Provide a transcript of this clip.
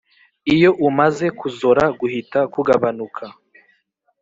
iyo kumaze kuzora, guhita kugabanuka.